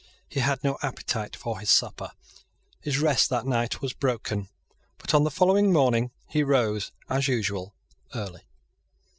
He had no appetite for his supper: his rest that night was broken; but on the following morning he rose, as usual, early.